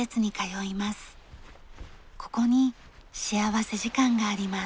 ここに幸福時間があります。